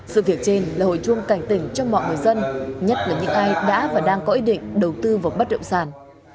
sự kiện trên là hội chuông cảnh tỉnh cho mọi người dân nhất là những ai đã và đang có ý định đầu tư vào bắt rượu sàn